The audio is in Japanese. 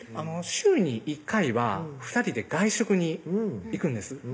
週に１回は２人で外食に行くんです